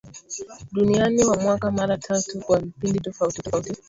Duniani wa mwaka mara tatu kwa vipindi tofauti tofauti